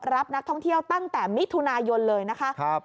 รับนักท่องเที่ยวตั้งแต่มิถุนายนเลยนะคะ